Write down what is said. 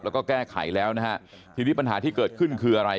แล้วก็แก้ไขแล้วนะฮะทีนี้ปัญหาที่เกิดขึ้นคืออะไร